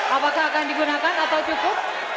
apakah akan digunakan atau cukup